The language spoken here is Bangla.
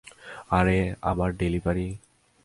আরে, আমার ডেলিভারি।